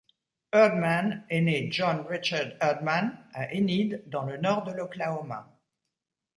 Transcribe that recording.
Erdman est né John Richard Erdmann à Enid dans le nord de l'Oklahoma.